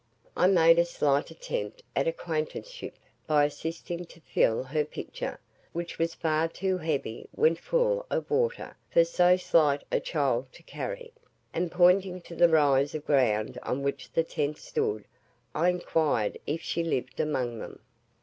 I made a slight attempt at acquaintanceship by assisting to fill her pitcher, which was far too heavy, when full of water, for so slight a child to carry, and pointing to the rise of ground on which the tents stood, I inquired if she lived among them.